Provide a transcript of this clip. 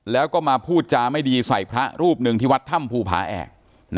แล้วก็มาพูดจาไม่ดีใส่พระรูปหนึ่งที่วัดถ้ำภูผาแอก